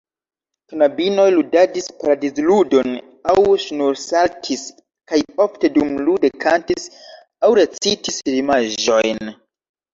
Knabinoj ludadis paradizludon aŭ ŝnursaltis, kaj ofte dumlude kantis aŭ recitis rimaĵojn.